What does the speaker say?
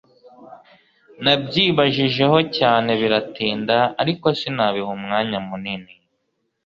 nabyibajijeho cyane biratinda ariko sinabiha umwanya munini